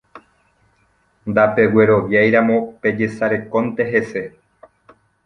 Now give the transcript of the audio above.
Ndapegueroviáiramo pejesarekónte hese